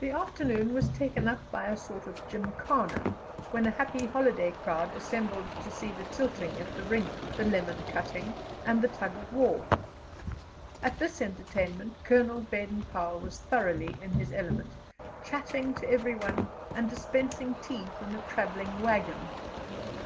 The afternoon was taken up by a sort of gymkhana, when a happy holiday crowd assembled to see the tilting at the ring, the lemon cutting, and the tug of war. At this entertainment Colonel Baden Powell was thoroughly in his element, chatting to everyone and dispensing tea from a travelling waggon.